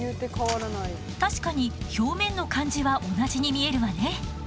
確かに表面の感じは同じに見えるわね。